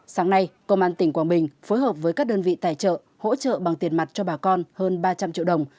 sáng nay công an tỉnh quảng bình phối hợp với các đơn vị tài trợ hỗ trợ bằng tiền mặt cho bà con hơn ba trăm linh triệu đồng